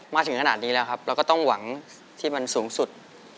ถึงขนาดนี้แล้วครับเราก็ต้องหวังที่มันสูงสุด